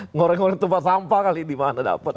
ngorek ngorek tempat sampah kali di mana dapat